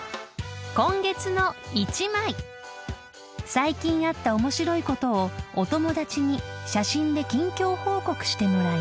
［最近あった面白いことをお友達に写真で近況報告してもらいます］